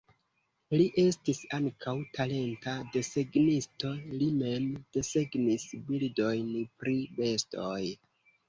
Li estis ankaŭ talenta desegnisto, li mem desegnis bildojn pri bestoj.